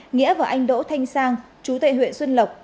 nghĩa và anh đỗ thanh sang chú tệ huyện xuân lộc